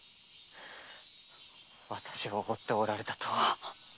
私を追っておられたとは。